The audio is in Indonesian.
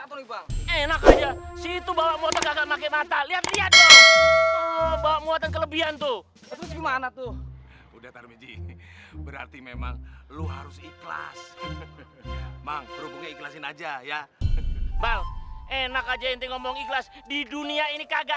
untuk ketemu sama haji muhyiddin